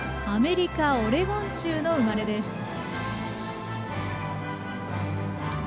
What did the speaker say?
アメリカ・オレゴン州の生まれです。